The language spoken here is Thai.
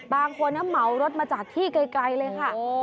บางคนเหมารถมาจากที่ไกลเลยค่ะ